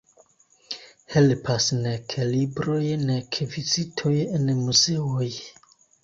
Helpas nek libroj nek vizitoj en muzeoj.